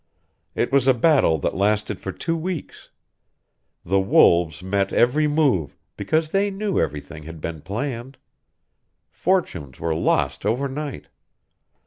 It was a battle that lasted for two weeks. The wolves met every move, because they knew everything that had been planned. Fortunes were lost overnight.